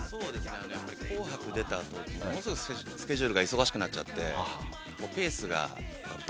やっぱり「紅白」に出たあとものすごいスケジュールが忙しくなっちゃってペースが大変。